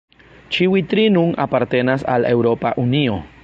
Ĉiuj tri nun apartenas al Eŭropa Unio.